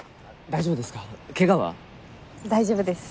大丈夫です。